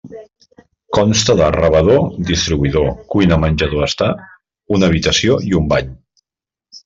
Consta de rebedor-distribuïdor, cuina-menjador-estar, una habitació i un bany.